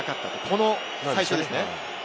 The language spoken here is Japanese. この最初ですね。